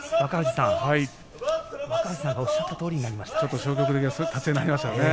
若藤さん、おっしゃったとおりになりましたね。